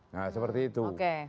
nah seperti itu